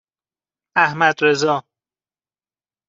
احمدرضا